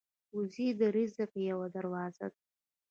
وزې د رزق یوه دروازه ده